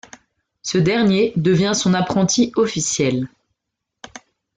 Ce dernier devient son apprenti officiel.